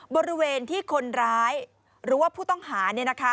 บริเวณที่คนร้ายหรือว่าผู้ต้องหา